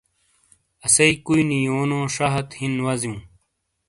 اسئیی کُوئی نی یونو شہ ہت ہِن وزیوں۔